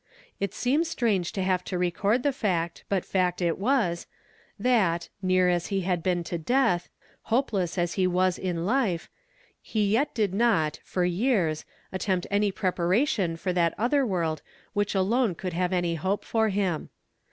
It seem., strange to have to i^cord the faet, but aet .t was, that, near as he had teen to death, hopeless as he was in life, he yet did not, for yea., atcnpt any preparation for that other world which alone eon d have any hope for him.